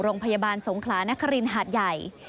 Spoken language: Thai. โรงพยาบาลสงขลานครินหาดใหญ่